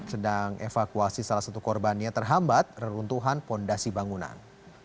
sedang evakuasi salah satu korbannya terhambat reruntuhan fondasi bangunan